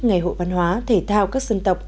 ngày hội văn hóa thể thao các dân tộc